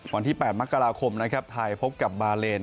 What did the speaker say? วันที่๘มกราคมไทยพบกับบาเลน